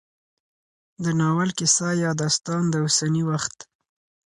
د ناول کيسه يا داستان د اوسني وخت